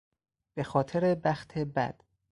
به خاطر بخت بد